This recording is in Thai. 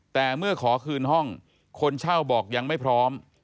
แต่เมื่อขอคืนห้องคนเช่าบอกยังไม่พร้อม